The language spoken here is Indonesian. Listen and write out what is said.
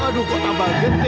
aduh kok tambah gede